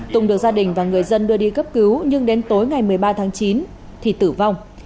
tùng được gia đình và người dân đưa đi cấp cứu nhưng đến tối ngày một mươi ba tháng chín thì tử vong